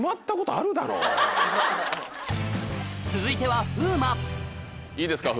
続いてはいいですか？